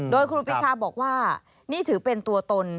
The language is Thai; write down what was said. โดยครูปีชาบอกว่านี่ถือเป็นตัวตน